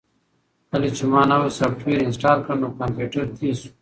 کله چې ما نوی سافټویر انسټال کړ نو کمپیوټر تېز شو.